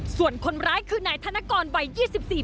ส่วนคนร้ายคือนายธนกรวัย๒๔ปี